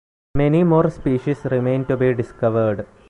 Many more species remain to be discovered.